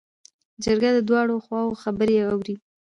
جرګه د دواړو خواوو خبرې اوري.